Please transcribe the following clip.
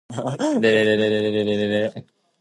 It is within the city limits of Newnan.